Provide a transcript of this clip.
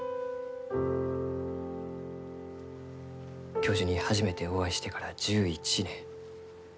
教授に初めてお会いしてから１１年。